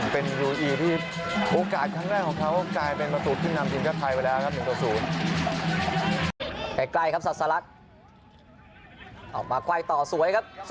เป็นรุ่นอีกที่โอกาสทั้งแรกของเขาก็กลายเป็นประตูที่นำจินกับไทยไปแล้วครับ๑๐